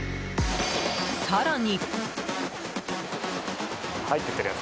更に。